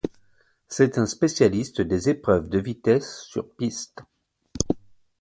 C'est un spécialiste des épreuves de vitesse sur piste.